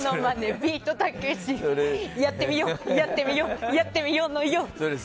やってみよう、やってみようやってみようのよ！